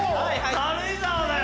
軽井沢だよ